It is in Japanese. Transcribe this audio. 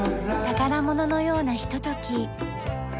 宝物のようなひととき。